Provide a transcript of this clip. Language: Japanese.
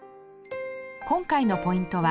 今回のポイントは